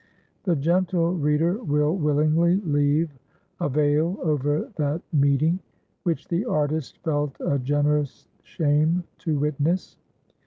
The gentle reader will willingly leave a veil over that meeting, which the artist felt a generous shame to witness.